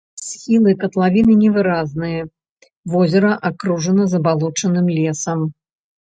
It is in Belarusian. Схілы катлавіны невыразныя, возера акружана забалочаным лесам.